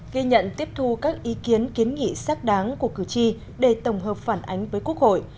ghi nhận tiếp thu các ý kiến kiến nghị xác đáng của cử tri để tổng hợp phản ánh với quốc hội